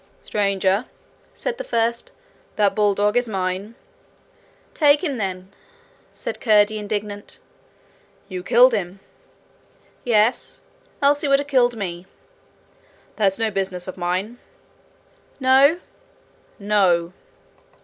'Stranger,' said the first, 'that bulldog is mine.' 'Take him, then,' said Curdie, indignant. 'You've killed him!' 'Yes else he would have killed me.' 'That's no business of mine.' 'No?' 'No.'